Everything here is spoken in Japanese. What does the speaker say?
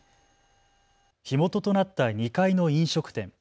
火元となった２階の飲食店。